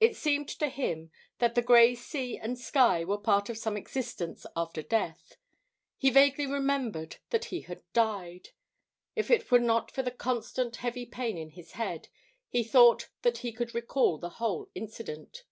It seemed to him that the grey sea and sky were part of some existence after death. He vaguely remembered that he had died. If it were not for the constant, heavy pain in his head, he thought that he could recall the whole incident.